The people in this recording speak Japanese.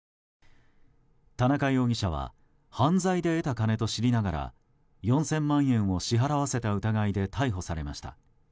田中容疑者は犯罪で得た金と知りながら４０００万円を支払わせた疑いで逮捕されました。